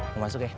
mau masuk ya